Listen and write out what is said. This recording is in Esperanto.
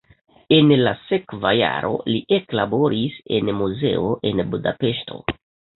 En la sekva jaro li eklaboris en muzeo en Budapeŝto.